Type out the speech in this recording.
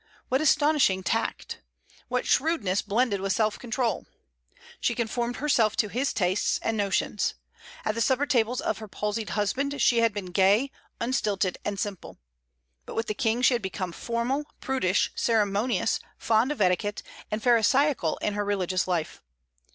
What astonishing tact! What shrewdness blended with self control! She conformed herself to his tastes and notions. At the supper tables of her palsied husband she had been gay, unstilted, and simple; but with the King she became formal, prudish, ceremonious, fond of etiquette, and pharisaical in her religious life.